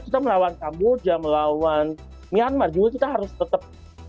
kita melawan kamboja melawan myanmar juga kita harus tetap